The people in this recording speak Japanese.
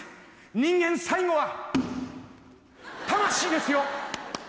人間最後は魂ですよ。